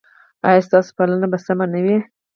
ایا ستاسو پالنه به سمه نه وي؟